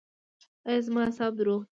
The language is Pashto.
ایا زما اعصاب روغ دي؟